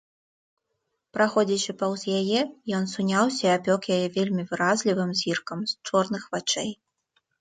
Праходзячы паўз яе, ён суняўся і апёк яе вельмі выразлівым зіркам чорных вачэй.